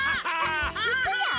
いくよ。